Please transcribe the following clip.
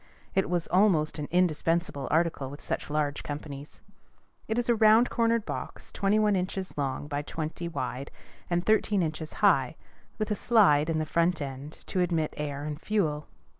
It was almost an indispensable article with such large companies. It is a round cornered box, twenty one inches long by twenty wide, and thirteen inches high, with a slide in the front end to admit air and fuel.